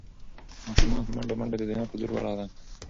ماشومان په منډو منډو د نیا په لور ورغلل.